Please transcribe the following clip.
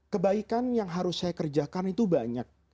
kebaikan yang harus saya kerjakan itu banyak